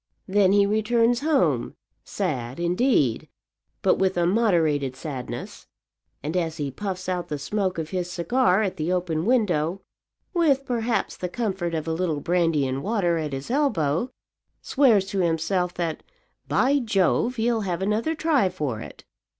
Then he returns home, sad indeed, but with a moderated sadness, and as he puffs out the smoke of his cigar at the open window, with perhaps the comfort of a little brandy and water at his elbow, swears to himself that, "By Jove, he'll have another try for it."